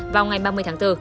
vào ngày ba mươi tháng bốn